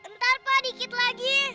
ntar pak dikit lagi